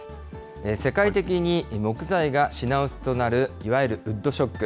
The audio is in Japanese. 世界的に木材が品薄となるいわゆるウッドショック。